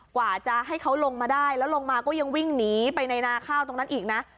กว่าจะให้เขาลงมาได้แล้วลงมาก็ยังวิ่งหนีไปในนาข้าวตรงนั้นอีกนะ